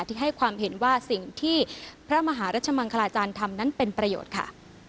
ที่ให้ความเห็นว่าสิ่งที่พระมหารัชมังคลาจารย์ทำนั้นเป็นประโยชน์ค่ะ